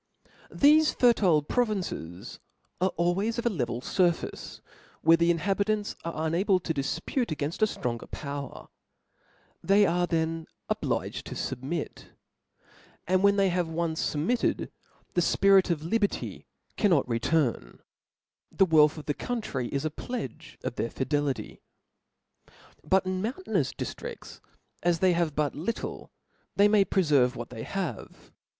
^ i ^HESEl fertile provinces are always of a level ^ furface, where the inhabitants are unable to difpute againft a ftronger power : they are them obliged to fubmit 5 and when they have once fub mittcd, the fpirit of liberty cannot return , the Ivealth of the country is a pledge of their fidelity. But in mountainous diftrifts, as they have but little, they may preferve what they have.